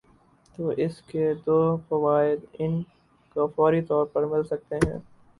تو اس کے دو فوائد ان کو فوری طور پر مل سکتے ہیں۔